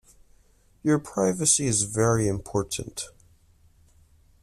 Your privacy is very important.